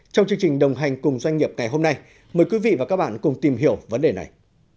trong chương trình đồng hành cùng doanh nghiệp ngày hôm nay mời quý vị và các bạn cùng tìm hiểu vấn đề này